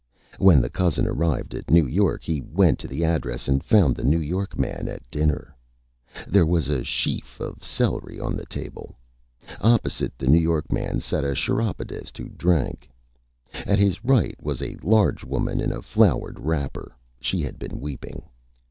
When the Cousin arrived at New York he went to the address, and found the New York Man at Dinner. There was a Sheaf of Celery on the Table. Opposite the New York Man sat a Chiropodist who drank. At his right was a Large Woman in a Flowered Wrapper she had been Weeping.